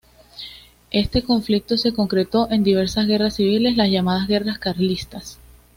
Este conflicto se concretó en diversas guerras civiles, las llamadas Guerras Carlistas.